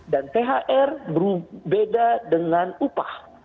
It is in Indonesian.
thr berbeda dengan upah